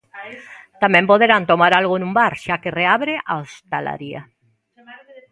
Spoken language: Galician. Tamén poderán tomar algo nun bar, xa que reabre a hostalería.